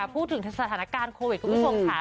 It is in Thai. พูดถึงสถานการณ์โควิดคุณผู้ชมค่ะ